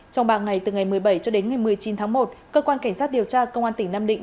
trong ba ngày từ ngày một mươi bảy cho đến ngày một mươi chín tháng một cơ quan cảnh sát điều tra công an tỉnh nam định